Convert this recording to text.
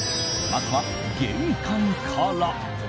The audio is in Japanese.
まずは玄関から。